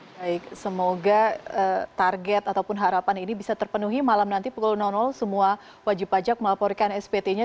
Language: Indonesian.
baik semoga target ataupun harapan ini bisa terpenuhi malam nanti pukul semua wajib pajak melaporkan spt nya